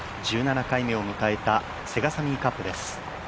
１７回目を迎えたセガサミーカップです。